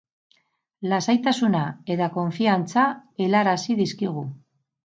Lasaitasuna eta konfiantza helarazi dizkigu.